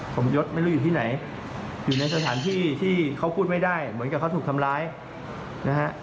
สมยศไม่รู้อยู่ที่ไหนอยู่ในสถานที่ที่เขาพูดไม่ได้เหมือนกับเขาถูกทำร้ายนะฮะ